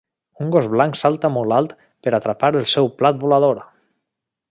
un gos blanc salta molt alt per atrapar el seu plat volador.